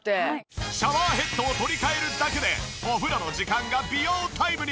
シャワーヘッドを取り替えるだけでお風呂の時間が美容タイムに。